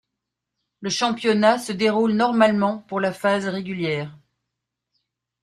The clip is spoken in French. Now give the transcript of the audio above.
Le championnat se déroule normalement pour la phase régulière.